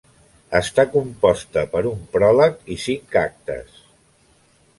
Està composta per un pròleg i cinc actes.